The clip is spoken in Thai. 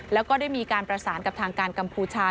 แล้วก็ได้มีการประสานกับทางการกัมพูชา